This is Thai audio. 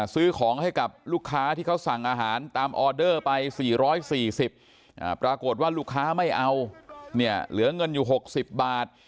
ซื้อของให้กับลูกค้าที่เขาสั่งอาหารตามออเดอร์ไป๔๔๐ปรากฏว่าลูกค้าไม่เอาเนี่ยเหลือเงินอยู่๖๐บาท